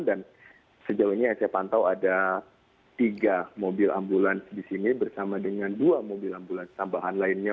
dan sejauhnya yang saya pantau ada tiga mobil ambulans di sini bersama dengan dua mobil ambulans tambahan lainnya